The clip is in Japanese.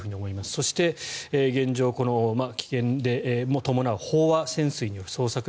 そして、現状、危険も伴う飽和潜水による捜索